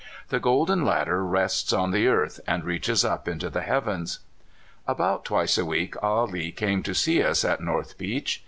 The golden ladder rests on the earth and reaches up into the heavens. About twice a week Ah Lee came to see us at North Beach.